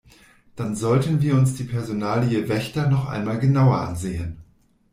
Dann sollten wir uns die Personalie Wächter noch einmal genauer ansehen.